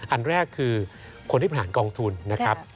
อันแรกคือคนที่ผ่านกองทุนนะครับ